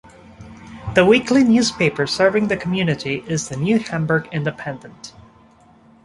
The weekly newspaper serving the community is the "New Hamburg Independent".